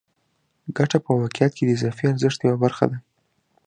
ګته په واقعیت کې د اضافي ارزښت یوه برخه ده